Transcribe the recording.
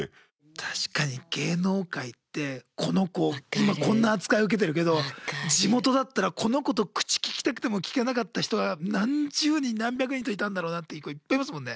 確かに芸能界ってこの子今こんな扱い受けてるけど地元だったらこの子と口ききたくてもきけなかった人が何十人何百人といたんだろうなっていう子いっぱいいますもんね。